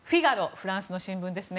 フランスの新聞ですね。